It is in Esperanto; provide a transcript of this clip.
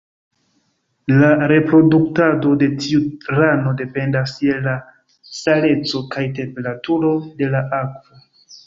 La reproduktado de tiu rano dependas je la saleco kaj temperaturo de la akvo.